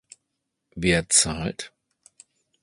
Wer zahlt?